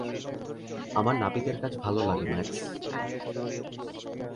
আমার নাপিতের কাজ ভালো লাগে, ম্যাক্স।